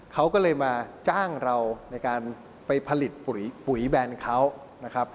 เขาก็เลยมาจ้างเราในการไปผลิตปุ๋ยแบนเขานะครับ